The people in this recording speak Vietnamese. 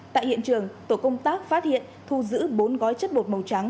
tại hiện trường tổ công tác phát hiện thu giữ bốn gói chất bột màu trắng